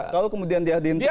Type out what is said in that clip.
kalau kemudian dia di identitikan